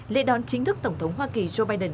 lễ đón chính thức tổng thống hoa kỳ joe biden